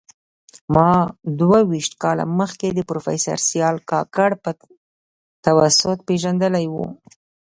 ما دوه ویشت کاله مخکي د پروفیسر سیال کاکړ په توسط پېژندلی و